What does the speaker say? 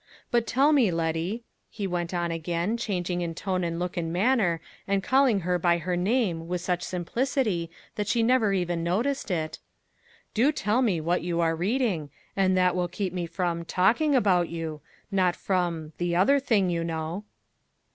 But tell me, Letty," he went on again, changing in tone and look and manner, and calling her by her name with such simplicity that she never even noticed it, "do tell me what you are reading, and that will keep me from talking about you not from the other thing, you know."